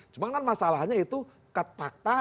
cuma kan masalahnya itu katpakta